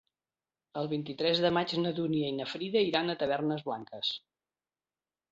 El vint-i-tres de maig na Dúnia i na Frida iran a Tavernes Blanques.